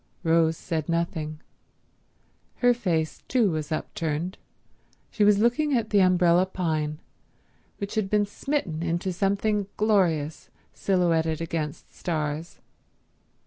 Rose said nothing. Her face too was upturned. She was looking at the umbrella pine, which had been smitten into something glorious, silhouetted against stars.